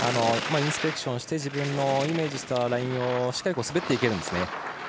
インスペクションして自分のイメージしたラインをしっかり滑っていけるんですね。